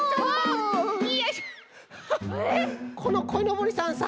このこいのぼりさんさ